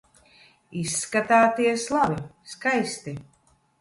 Izskatāties labi, skaisti.